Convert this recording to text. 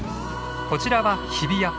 こちらは日比谷。